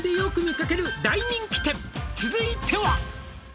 「続いては」